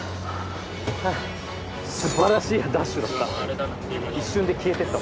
すばらしいダッシュだった。